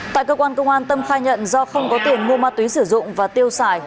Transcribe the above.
tại cơ quan công an tâm khai nhận do không có tiền mua ma túy sử dụng và tiêu xài